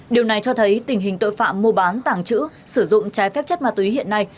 điều này cho thấy tình hình tội phạm mua bán tàng trữ sử dụng trái phép chất ma túy hiện nay